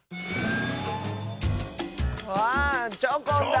あっチョコンだ！